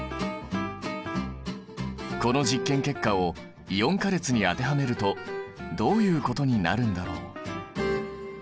この実験結果をイオン化列に当てはめるとどういうことになるんだろう？